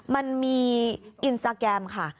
มันมีอินสตาแกรมค่ะ